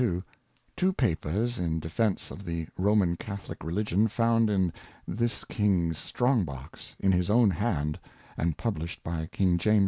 "^ Two Papers in Defence of the Roman Catholick Religion, found in this King's strong Box, in his own hand, and published by King James II.